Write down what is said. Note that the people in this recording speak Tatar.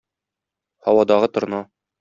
Һавадагы торна.